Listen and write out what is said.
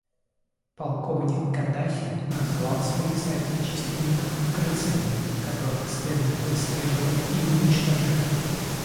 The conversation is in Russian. Полковник Каддафи назвал своих соотечественников «крысами», которых следует выслеживать и уничтожать.